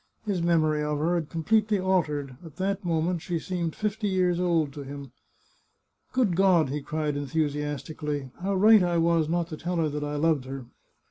His memory of her had completely altered; at that moment she seemed fifty years old to him. " Grood God !" he cried enthusiastically, " how right I was not to tell her that I loved her